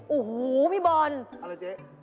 โอ้โหพี่บอลอะไรเจ๊